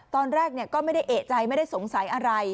ตอนแรกก็ไม่ได้เอกใจไม่ได้สงสัยอะไร